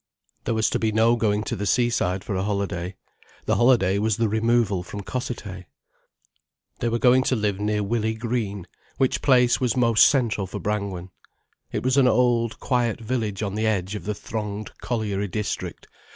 There was to be no going to the seaside for a holiday. The holiday was the removal from Cossethay. They were going to live near Willey Green, which place was most central for Brangwen. It was an old, quiet village on the edge of the thronged colliery district.